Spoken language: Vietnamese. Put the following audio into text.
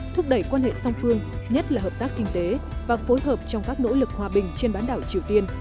thúc đẩy quan hệ song phương nhất là hợp tác kinh tế và phối hợp trong các nỗ lực hòa bình trên bán đảo triều tiên